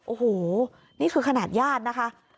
โอ้โหนี่คือขนาดญาตินะคะ